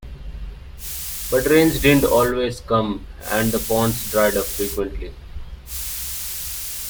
But rains didn't always come, and the ponds dried up frequently.